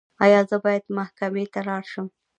ایا زه باید محکمې ته لاړ شم؟